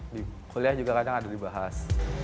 di kuliah juga kadang ada dibahas